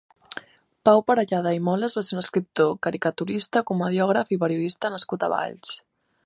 Pau Parellada i Molas va ser un escriptor, caricaturista, comediògraf i periodista nascut a Valls.